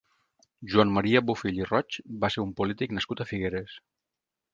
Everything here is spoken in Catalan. Joan Maria Bofill i Roig va ser un polític nascut a Figueres.